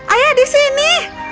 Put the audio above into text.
ayah di sini